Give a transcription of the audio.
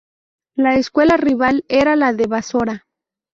La escuela rival era la de Basora.